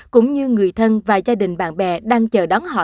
cũng như người thân và gia đình bạn bè đang chờ đón họ